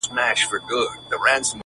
چي جانان وي قاسم یاره او صهبا وي